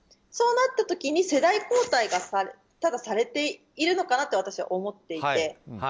そうなった時に世代公開がただされているのかなと私は思っていて。